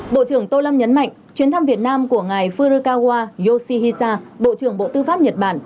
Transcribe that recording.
bộ trưởng tô lâm nhấn mạnh chuyến thăm việt nam của ngài furokawa yoshihisa bộ trưởng bộ tư pháp nhật bản